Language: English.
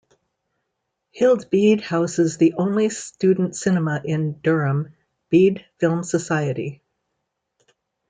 Hild Bede houses the only student cinema in Durham, Bede Film Society.